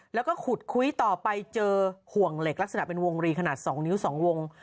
แล้วก็ขุดคุยต่อไปเจอห่วงเหล็กลักษณะเป็นวงรีขนาด๒นิ้ว๒วง